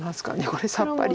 これさっぱり。